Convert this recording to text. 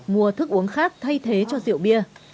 mua thức uống khác thay thế cho rượu bia